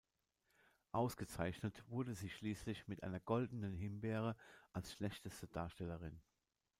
Ausgezeichnet wurde sie schließlich mit einer Goldenen Himbeere als schlechteste Darstellerin.